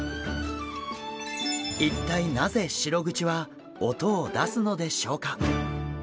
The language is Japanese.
一体なぜシログチは音を出すのでしょうか。